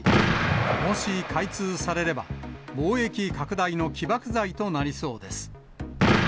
もし開通されれば、貿易拡大の起爆剤となりそうです。